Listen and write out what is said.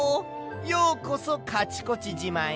ようこそカチコチじまへ。